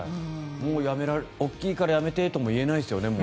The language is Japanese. もう大きいからやめてとも言えないですよね。